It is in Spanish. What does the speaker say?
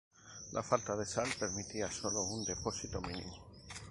La falta de sal permitía sólo un depósito mínimo.